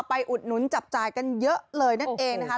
อุดหนุนจับจ่ายกันเยอะเลยนั่นเองนะคะ